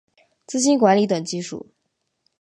资金管理等技术